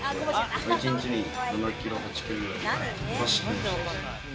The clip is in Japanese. １日に７キロ８キロ走ってました。